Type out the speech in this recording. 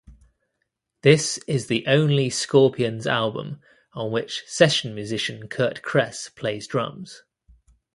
This is the only Scorpions album on which session musician Curt Cress plays drums.